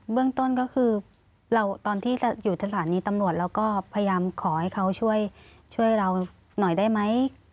เรื่องต้นก็คือเราตอนที่อยู่สถานีตำรวจเราก็พยายามขอให้เขาช่วยเราหน่อยได้ไหม